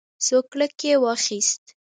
سوکړک یې واخیست.